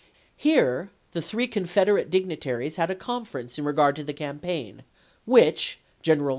Here the three Confederate dignitaries had a con ference in regard to the campaign, which, General r i